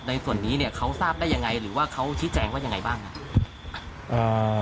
ในส่วนนี้เนี่ยเขาทราบได้ยังไงหรือว่าเขาชี้แจงว่ายังไงบ้างครับ